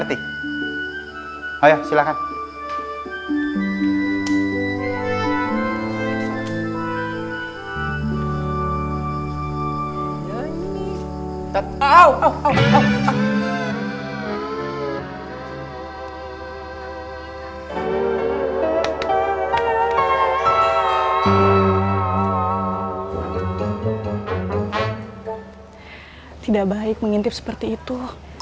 tidak baik mengintip seperti itu